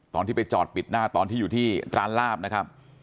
ตอนที่ไปจอดปิดหน้าตอนที่อยู่ที่ร้านลาบนะครับ